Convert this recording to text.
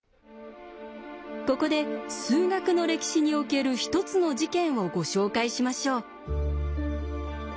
ここで数学の歴史における一つの事件をご紹介しましょう。